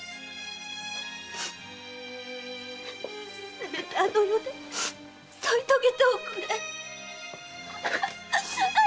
せめてあの世で添い遂げておくれ！